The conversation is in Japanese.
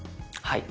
はい。